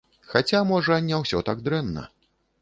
Хаця, можа, не ўсё так дрэнна.